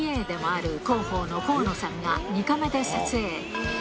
ＣＡでもある広報の河野さんが２カメで撮影。